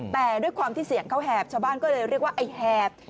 แต่ด้วยความที่เสียงเขาแหบชาวบ้านก็เลยเรียกว่าไอ้แหบ